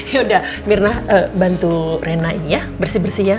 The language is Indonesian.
yaudah mirna bantu rena bersih bersih ya